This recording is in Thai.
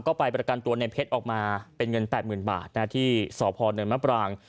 ก็ไปประกันตัวในเพชรออกมาเป็นเงิน๘๐๐๐บาทที่สพเนินมะปราง